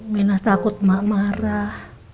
minah takut mak marah